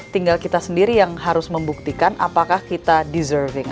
tinggal kita sendiri yang harus membuktikan apakah kita deserving